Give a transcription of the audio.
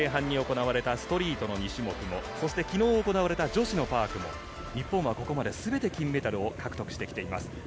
ストリートの２種目も昨日行われた、女子のパークも日本はここまで全て金メダルを獲得しています。